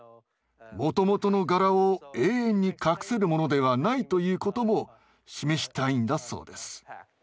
もともとの柄を永遠に隠せるものではないということも示したいんだそうです。